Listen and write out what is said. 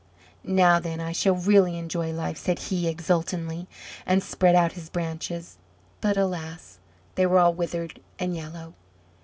"Now, then, I shall really enjoy life," said he, exultingly, and spread out his branches; but, alas! they were all withered and yellow.